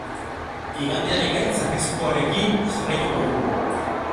Igandean ekaitz arriskuarekin jarraituko dugu.